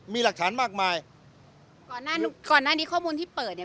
มีหลักฐานมากมายก่อนหน้าก่อนหน้านี้ข้อมูลที่เปิดเนี้ย